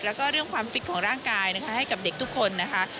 แล้วก็เรื่องความฟิตของร่างกายนะคะให้กับเด็กทุกคนนะคะ